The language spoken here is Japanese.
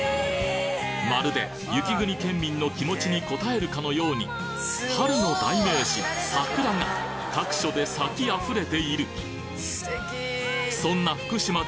まるで雪国ケンミンの気持ちに応えるかのように春の代名詞桜が各所で咲き溢れている！